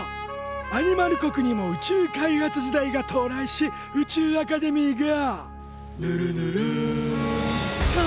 アニマル国にも宇宙開発時代が到来し宇宙アカデミーが「ぬるぬるっ」と誕生。